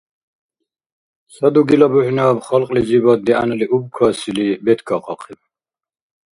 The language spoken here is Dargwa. Ца дугила бухӏнаб, халкьлизибад дигӏянали убкасили, беткахъахъиб.